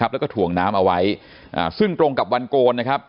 แล้วก็ถ่วงน้ำเอาไว้ซึ่งตรงกับวันโกนนะครับ